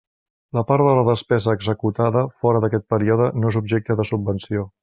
La part de la despesa executada fora d'aquest període no és objecte de subvenció.